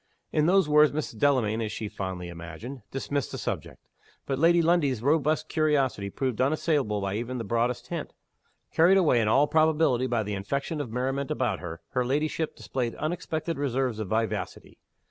In those words Mrs. Delamayn (as she fondly imagined) dismissed the subject. But Lady Lundie's robust curiosity proved unassailable by even the broadest hint. Carried away, in all probability, by the infection of merriment about her, her ladyship displayed unexpected reserves of vivacity.